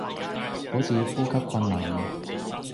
好似呼吸困難